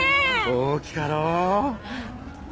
大きかろう？